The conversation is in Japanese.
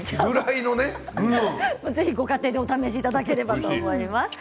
ぜひご家庭でお試しいただければと思います。